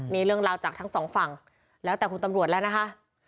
นี่เรื่องราวจากทั้งสองฝั่งแล้วแต่คุณตำรวจแล้วนะคะ